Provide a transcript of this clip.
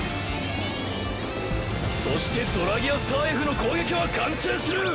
そしてドラギアスターＦの攻撃は貫通する！